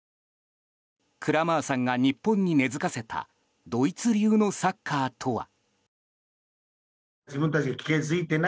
クラマーさんが日本に根付かせたドイツ流のサッカーとは。